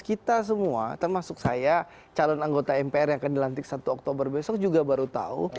kita semua termasuk saya calon anggota mpr yang akan dilantik satu oktober besok juga baru tahu